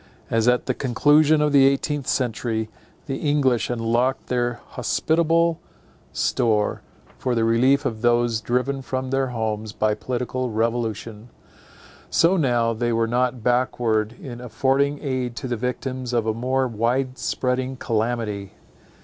As at the conclusion of the eighteenth century, the English unlocked their hospitable store, for the relief of those driven from their homes by political revolution; so now they were not backward in affording aid to the victims of a more wide spreading calamity.